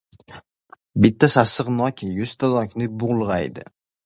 • Bitta sassiq nok yuzta nokni bulg‘aydi.